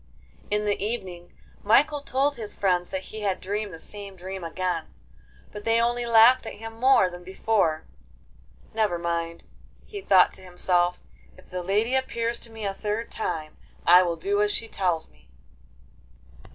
In the evening Michael told his friends that he had dreamed the same dream again, but they only laughed at him more than before. 'Never mind,' he thought to himself; 'if the lady appears to me a third time, I will do as she tells me.